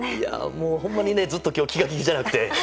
もう、ほんまに今日は気が気じゃなくて。